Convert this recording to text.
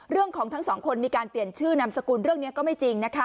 เรื่องของทั้งสองคนมีการเปลี่ยนชื่อนามสกุลเรื่องนี้ก็ไม่จริงนะคะ